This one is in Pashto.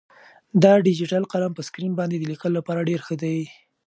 دا ډیجیټل قلم په سکرین باندې د لیکلو لپاره ډېر ښه دی.